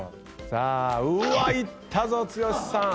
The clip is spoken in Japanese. うわっいったぞ剛さん！